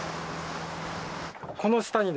この下に。